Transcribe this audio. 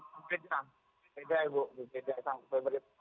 saya pengen dan juga produsen jaj delay itu